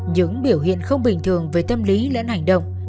những cơ quan không bình thường về tâm lý lẫn hành động